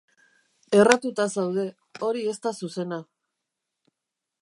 Erratuta zaude, hori ez da zuzena.